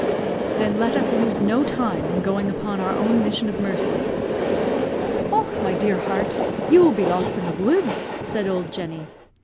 "Then let us lose no time in going upon our own mission of mercy." "Och, my dear heart, you will be lost in the woods!" said old Jenny.